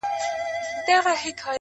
د شپې ټوله شپه دنړه وکړي